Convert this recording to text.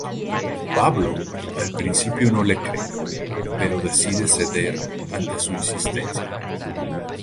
Pablo al principio no le cree, pero decide ceder ante su insistencia.